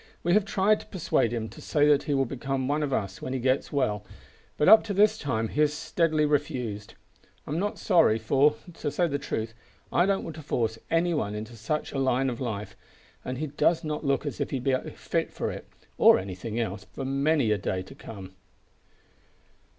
We have tried to persuade him to say that he will become one of us when he gets well, but up to this time he has steadily refused. I am not sorry; for, to say truth, I don't want to force any one into such a line of life and he does not look as if he'd be fit for it, or anything else, for many a day to come."